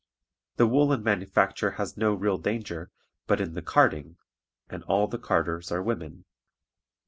The woolen manufacture has no real danger but in the 'carding,' and all the carders are women.